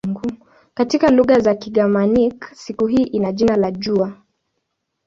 Katika lugha za Kigermanik siku hii ina jina la "jua".